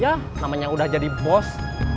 ya namanya udah jadi bos